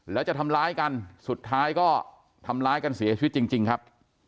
แล้วจะทำร้ายกันสุดท้ายก็ทำร้ายกันเสียชีวิตจริงครับ